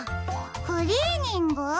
クリーニング？